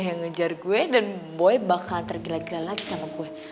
yang ngejar gue dan boy bakal tergeleg gila lagi sama gue